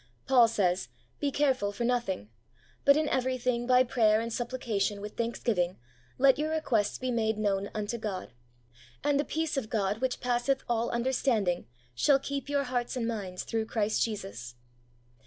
Paul says, ' Be careful for nothing ; but in everything by prayer and supplication with thanksgiving let your requests be made known unto God. And the peace of God, which passeth all understanding, shall keep your hearts and minds through Christ Jesus.